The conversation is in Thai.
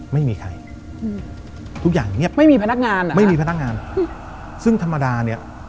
ไม่มีใครอืมทุกอย่างเงียบไม่มีพนักงานเหรอไม่มีพนักงานซึ่งธรรมดาเนี้ย